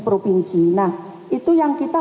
provinsi nah itu yang kita